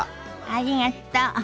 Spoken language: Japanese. ありがと。